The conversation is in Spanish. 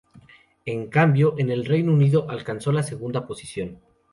En cambio, en el Reino Unido, alcanzó la segunda posición.